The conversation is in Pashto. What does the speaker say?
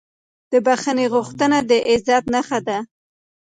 د بښنې غوښتنه د عزت نښه ده.